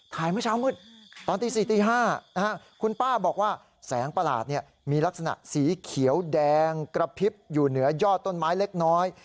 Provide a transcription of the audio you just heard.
เมื่อเช้ามืดตอนตี๔ตี๕คุณป้าบอกว่าแสงประหลาดมีลักษณะสีเขียวแดงกระพริบอยู่เหนือยอดต้นไม้เล็กน้อย